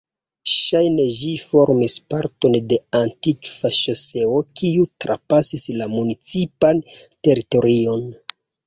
Ŝajne ĝi formis parton de antikva ŝoseo kiu trapasis la municipan teritorion.